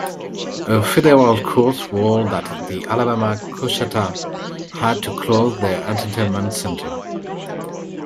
A Federal court ruled that the Alabama-Coushatta had to close their entertainment center.